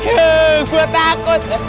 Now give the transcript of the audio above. heu gua takut